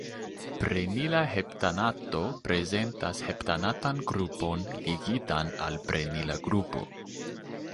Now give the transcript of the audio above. Prenila heptanato prezentas heptanatan grupon ligitan al prenila grupo.